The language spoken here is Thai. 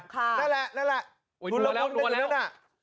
นั่นแหละนั่นแหละดูแล้วคงดูแล้วนั่นนั่นน่ะ